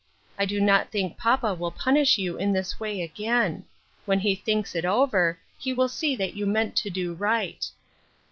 I do not think papa will punish you in this way again. When he thinks it over, he will see that you meant to do right."